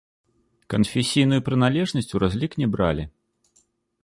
Канфесійную прыналежнасць у разлік не бралі.